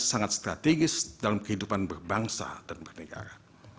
sangat strategis dalam kehidupan berbangsa dan bernegara